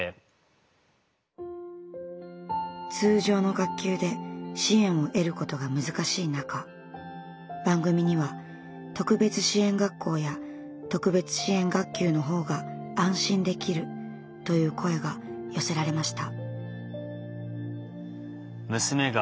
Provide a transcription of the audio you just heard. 通常の学級で支援を得ることが難しい中番組には特別支援学校や特別支援学級のほうが安心できるという声が寄せられました。